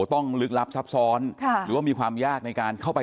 ต้องลึกลับซับซ้อนหรือว่ามีความยากในการเข้าไป